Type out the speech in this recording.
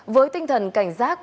với tinh thần cảnh giác